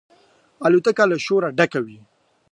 الوتکه له شوره ډکه وي.